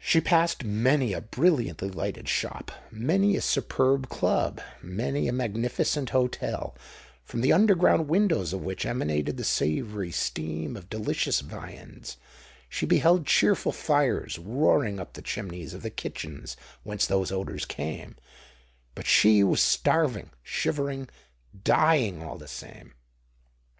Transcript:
She passed many a brilliantly lighted shop,—many a superb Club,—many a magnificent hotel, from the underground windows of which emanated the savoury steam of delicious viands:—she beheld cheerful fires, roaring up the chimneys of the kitchens whence those odours came;—but she was starving, shivering, dying, all the same!